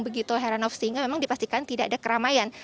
begitu heran of sehingga memang dipastikan tidak ada keramaian